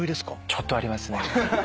ちょっとありますね。